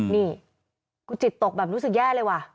นี่กูจิตตกแบบรู้สึกแย่เลยว่ะ